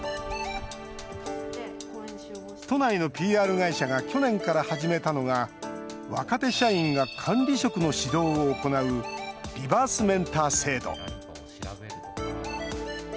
都内のＰＲ会社が去年から始めたのが若手社員が管理職の指導を行うリバースメンター制度。